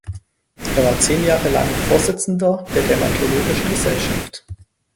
Er war zehn Jahre lang Vorsitzender der Dermatologischen Gesellschaft.